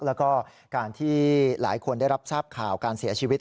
แล้วก็การที่หลายคนได้รับทราบข่าวการเสียชีวิต